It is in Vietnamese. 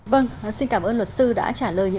vâng xin cảm ơn luật sư đã trả lời